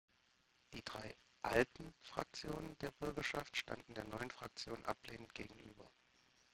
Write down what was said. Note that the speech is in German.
Die drei „alten“ Fraktionen der Bürgerschaft standen der neuen Fraktion ablehnend gegenüber.